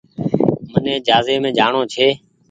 مني جهآزي مي جآڻو ڇي۔